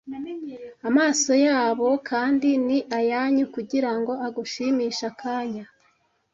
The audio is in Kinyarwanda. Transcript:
amaso yabo kandi ni ayanyu kugirango agushimishe akanya